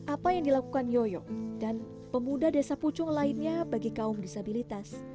apa yang dilakukan yoyo dan pemuda desa pucung lainnya bagi kaum disabilitas